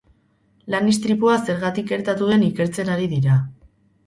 Lan-istripua zergatik gertatu den ikertzen ari dira.